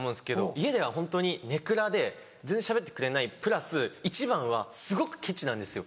家ではホントに根暗で全然しゃべってくれないプラス一番はすごくケチなんですよ。